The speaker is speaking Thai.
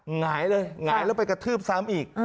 หงายเลยหงายแล้วไปกระทืบซ้ำอีก